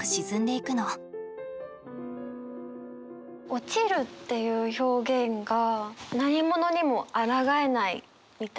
「落ちる」っていう表現が何者にもあらがえないみたいな。